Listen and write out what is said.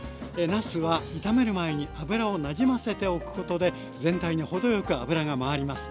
なすは炒める前に油をなじませておくことで全体に程よく油が回ります。